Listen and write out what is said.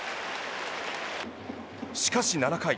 しかし、７回。